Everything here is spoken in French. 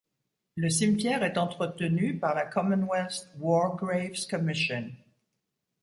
Le cimetière est entretenu par la Commonwealth War Graves Commission.